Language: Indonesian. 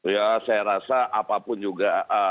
ya saya rasa apapun juga